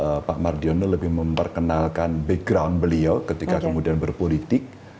pak mardiono lebih memperkenalkan background beliau ketika kemudian berpolitik